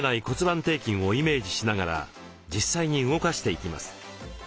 骨盤底筋をイメージしながら実際に動かしていきます。